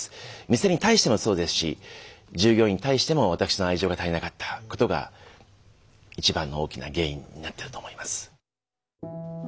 店に対してもそうですし従業員に対しても私の愛情が足りなかったことが一番の大きな原因になってると思います。